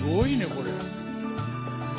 これ。